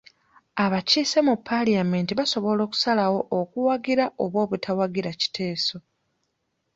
Abakiise mu palamenti basobola okusalawo okuwagira oba obutawagira kiteeso.